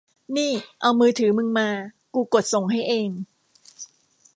นี่ เอามือถือมึงมา กูกดส่งให้เอง